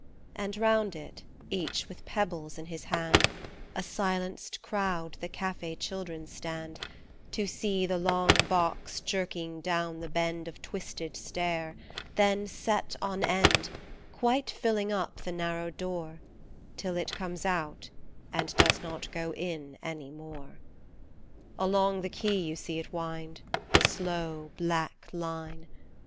And round it, each with pebbles in his hand, A silenced crowd the cafe children stand To see the long box jerking down the bend Of twisted stair ; then set on end, Quite filling up the narrow door Till it comes out and does not go in any more. Along the quay you see it wind, The slow black line.